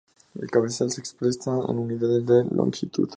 El cabezal se expresa en unidades de longitud.